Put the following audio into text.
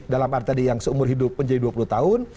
dalam arti tadi yang seumur hidup menjadi dua puluh tahun